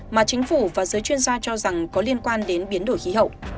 mà chính phủ và giới chuyên gia cho rằng có liên quan đến biến đổi khí hậu